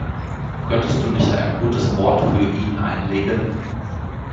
Könntest du nicht ein gutes Wort für ihn einlegen?